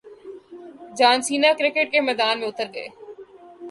جان Cena cricket کے میدان میں اتر گئے